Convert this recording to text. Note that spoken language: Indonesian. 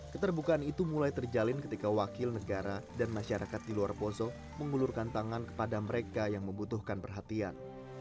keterbukaan itu mulai terjalin ketika wakil negara dan masyarakat di luar poso mengulurkan tangan kepada mereka yang membutuhkan perhatian